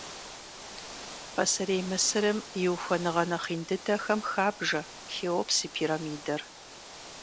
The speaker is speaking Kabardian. Пасэрей Мысырым и ухуэныгъэ нэхъ ин дыдэхэм хабжэ Хеопс и пирамидэр.